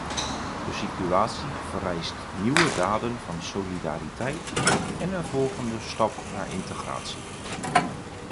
De situatie vereist nieuwe daden van solidariteit en een volgende stap naar integratie.